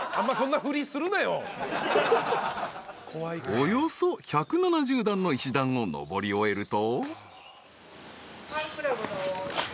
［およそ１７０段の石段を上り終えると］